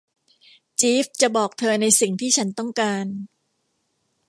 จีฟส์จะบอกเธอในสิ่งที่ฉันต้องการ